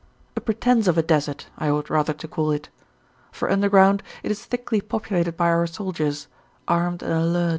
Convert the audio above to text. A pretence of a desert, I ought rather to call it, for underground it is thickly populated by our soldiers, armed and alert.